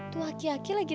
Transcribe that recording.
tuh aki aki lagi